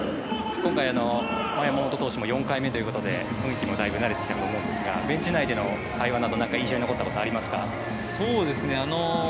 今回、山本投手も４回目ということで雰囲気もだいぶ慣れたと思うんですがベンチ内での会話など印象に残ったことありますか？